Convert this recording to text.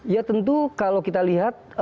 ya tentu kalau kita lihat